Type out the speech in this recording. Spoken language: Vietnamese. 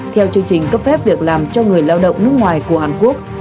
theo chương trình cấp phép việc làm cho người lao động nước ngoài của hàn quốc